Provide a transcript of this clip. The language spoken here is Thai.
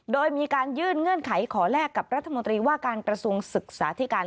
โดยมีการยื่นเงื่อนไขขอแลกกับรัฐมนตรีว่าการกระทรวงศึกษาธิการ